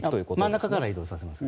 真ん中の足場から移動させます。